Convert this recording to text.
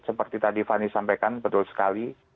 seperti tadi fani sampaikan betul sekali